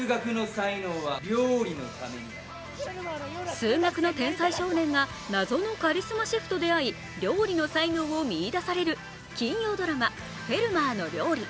数学の天才少年が謎のカリスマシェフと出会い、料理の才能を見出される金曜ドラマ「フェルマーの料理」。